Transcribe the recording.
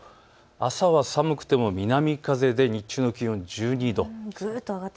朝は寒くても南風で日中の気温１２度。